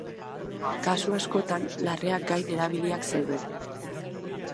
Kasu askotan larreak gain erabiliak zeuden.